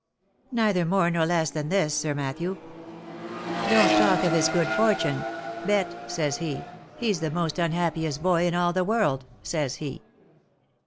" Neither more nor less than this, Sir Matthew :' Don't talk of his good fortune, Bet,' says he, ' he's the most unhappiest boy in all the world,' says he."